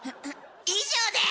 以上です！